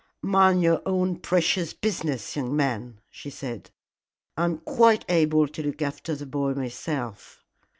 "Mind your own precious business, young man," she said. "I am quite able to look after the boy myself."